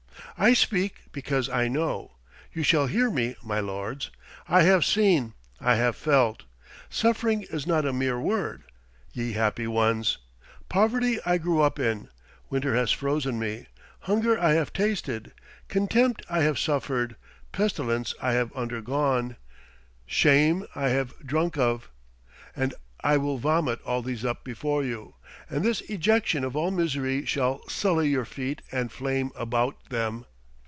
I speak, because I know. You shall hear me, my lords. I have seen, I have felt! Suffering is not a mere word, ye happy ones! Poverty I grew up in; winter has frozen me; hunger I have tasted; contempt I have suffered; pestilence I have undergone; shame I have drunk of. And I will vomit all these up before you, and this ejection of all misery shall sully your feet and flame about them.